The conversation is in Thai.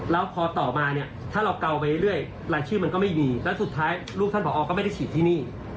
แล้วพอต่อมาเนี่ยถ้าเราเกาไปเรื่อยรายชื่อมันก็ไม่มีแล้วสุดท้ายลูกท่านผอก็ไม่ได้ฉีดที่นี่